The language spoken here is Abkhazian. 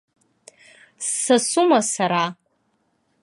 Ссасума сара?